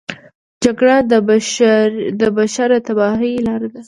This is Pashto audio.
جګړه د بشر د تباهۍ لاره ده